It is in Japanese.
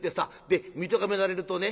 で見とがめられるとね